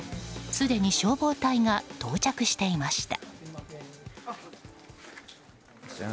すでに消防隊が到着していました。